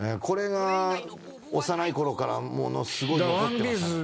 これが幼いころからものすごい残ってます。